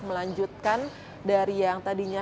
menunjukkan dari yang tadinya